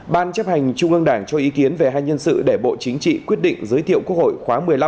ban chấp hành trung ương đảng cho ý kiến về hai nhân sự để bộ chính trị quyết định giới thiệu quốc hội khóa một mươi năm